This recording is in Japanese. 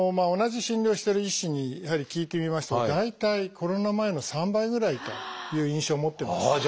同じ診療をしてる医師にやはり聞いてみますと大体コロナ前の３倍ぐらいという印象を持ってます。